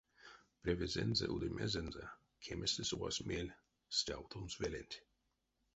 Превезэнзэ-удемезэнзэ кеместэ совась мель стявтомс веленть.